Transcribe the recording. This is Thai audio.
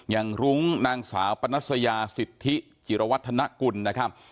รุ้งนางสาวปนัสยาสิทธิจิรวัฒนกุลนะครับ